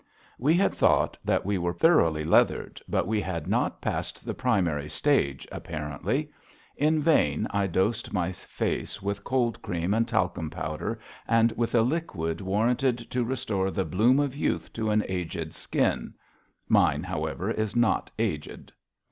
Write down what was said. We had thought that we were thoroughly leathered, but we had not passed the primary stage, apparently. In vain I dosed my face with cold cream and talcum powder, and with a liquid warranted to restore the bloom of youth to an aged skin (mine, however, is not aged).